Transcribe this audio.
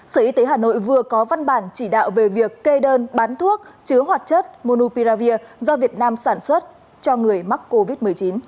sở y tế hà nội vừa có văn bản chỉ đạo về việc kê đơn bán thuốc chứa hoạt chất monupiravir do việt nam sản xuất cho người mắc covid một mươi chín